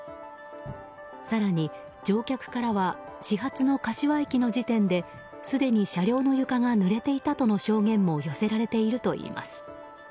更に乗客からは始発の柏駅の時点ですでに車両の床がぬれていたとの証言も寄せられているといいます。